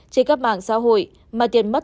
chỉ các mạng xã hội mà tiền mất